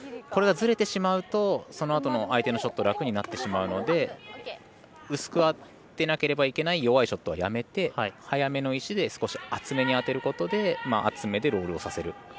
これがずれてしまうとそのあとの相手のショット楽になってしまうので薄く当てなければいけない弱いショットはやめて速めの石で少し、厚めに当てることで厚めでロールをさせる。